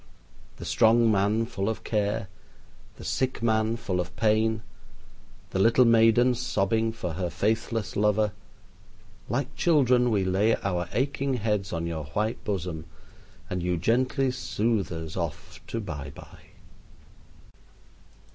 The strong man full of care the sick man full of pain the little maiden sobbing for her faithless lover like children we lay our aching heads on your white bosom, and you gently soothe us off to by by.